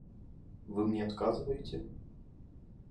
Вы мне отказываете?